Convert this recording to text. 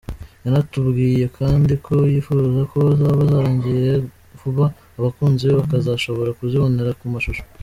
Yanatubwiye kandi ko yifuza ko zaba zarangiye vuba abakunzi be bakazashobora kuzibonera ku mashusho.